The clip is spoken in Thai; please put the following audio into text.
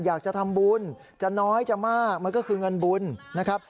อยากจะทำบุญจะน้อยจะมากมันก็คือเงินบุญนะครับ